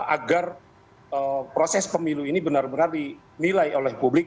agar proses pemilu ini benar benar dinilai oleh publik